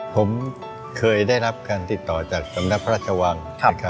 ผมเคยได้รับการติดต่อจากสำนักพระราชวัง